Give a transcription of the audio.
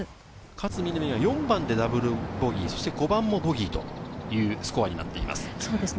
勝みなみは４までダブルボギー、５番もボギーというスコアになっています。